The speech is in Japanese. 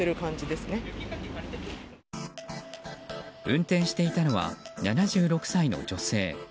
運転していたのは７６歳の女性。